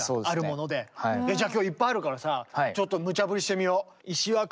じゃあ今日いっぱいあるからさちょっとむちゃ振りしてみよう。